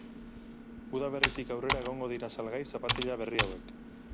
Udaberritik aurrera egongo dira salgai zapatila berri hauek.